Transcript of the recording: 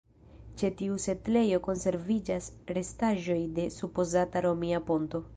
Ĉe tiu setlejo konserviĝas restaĵoj de supozata romia ponto.